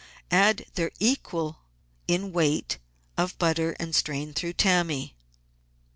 Add their equal in weight of butter and strain through tarnmy.